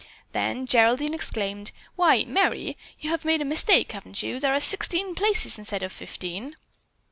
Then Geraldine exclaimed: "Why, Merry, you have made a mistake, haven't you? There are sixteen places instead of fifteen."